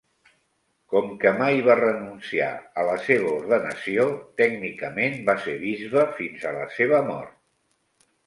Com que mai va renunciar a la seva ordenació, tècnicament va ser bisbe fins a la seva mort.